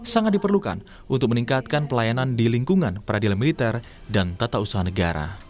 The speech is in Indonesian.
sangat diperlukan untuk meningkatkan pelayanan di lingkungan peradilan militer dan tata usaha negara